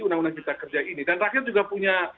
undang undang cipta kerja ini dan rakyat juga punya